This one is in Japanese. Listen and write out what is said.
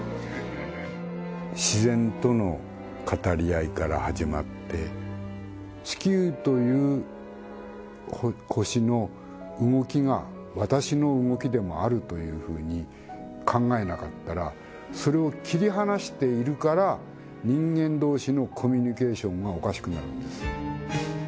自然との語り合いから始まって地球という星の動きがわたしの動きでもあるというふうに考えなかったらそれを切り離しているから人間同士のコミュニケーションがおかしくなるんです。